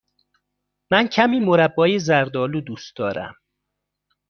من کمی مربای زرد آلو دوست دارم.